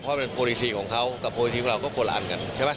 เพราะเป็นโปรดิสีของเขากับโปรดิสีของเราก็คนละอัน